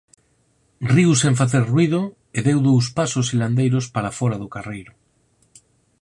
Riu sen facer ruído, e deu dous pasos silandeiros para fóra do carreiro.